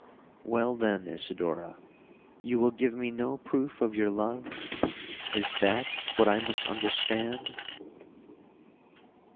'Well, then, Isidora, you will give me no proof of your love? Is that what I must understand?'